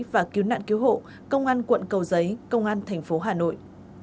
và cứu nạn cứu hộ công an quận cầu giấy công an tp hà nội